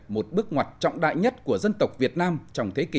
một bước ngoặt trọng đại nhất của dân tộc việt nam trong thế kỷ hai mươi